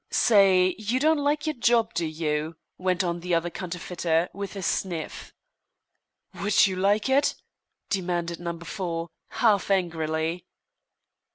"Say, you don't like your job, do you?" went on the other counterfeiter, with a sniff. "Would you like it?" demanded Number Four, half angrily.